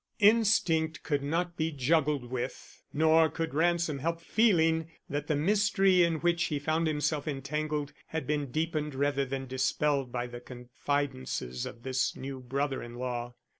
Instinct could not be juggled with, nor could Ransom help feeling that the mystery in which he found himself entangled had been deepened rather than dispelled by the confidences of this new brother in law.